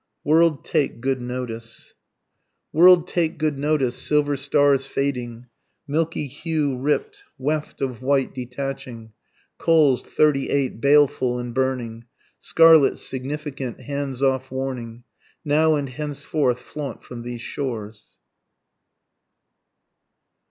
WORLD TAKE GOOD NOTICE. World take good notice, silver stars fading, Milky hue ript, weft of white detaching, Coals thirty eight, baleful and burning, Scarlet, significant, hands off warning, Now and henceforth flaunt from these shores.